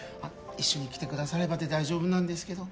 一緒に来てくださればで大丈夫なんですけど